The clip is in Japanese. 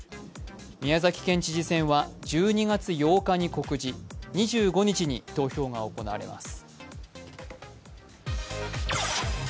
宮崎県知事選は１２月８日に告示、２５日に投票が行われます。